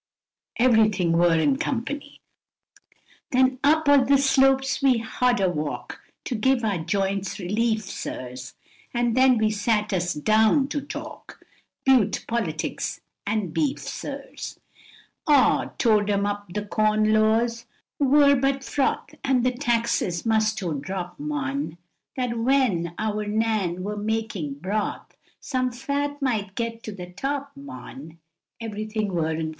Everything wur, &c. Then up o'th slopes we hod a walk' to give our joints relief sirs, And then we sat us deun to talk, 'beaut politics and beef sirs, Aw towd 'em th' corn laws wur but froth, an' th' taxes must o drop mon, That when eaur Nan wur makin broath, some fat might get to th' top mon, Everything wur, &c.